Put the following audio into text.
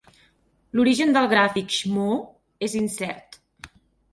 L'origen del gràfic shmoo és incert.